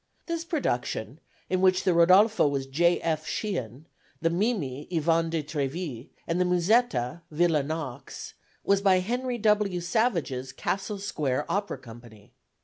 This production, in which the Rodolfo was J. F. Sheehan; the Mimi, Yvonne de Treville; and the Musetta, Villa Knox, was by Henry W. Savage's Castle Square Opera Company.